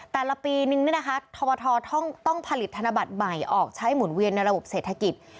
แต่ละปีนึงทบทต้องผลิตธนบัตรใหม่ออกใช้หมุนเวียนในระบบเศรษฐกิจ